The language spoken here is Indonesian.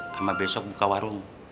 sama besok buka warung